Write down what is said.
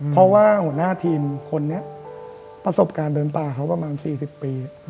เพราะว่าหัวหน้าทีมคนนี้ประสบการณ์เดินป่าเขาประมาณ๔๐ปี